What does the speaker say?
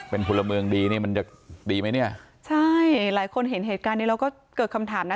เป็นพลเมืองดีนี่มันจะดีไหมเนี่ยใช่หลายคนเห็นเหตุการณ์นี้เราก็เกิดคำถามนะ